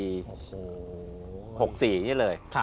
๖๔นี่เลย